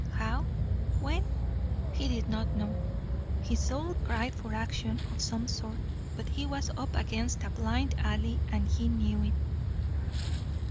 How? When? He did not know. His soul cried for action of some sort, but he was up against a blind alley, and he knew it.